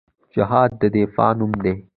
جهاد د دفاع نوم دی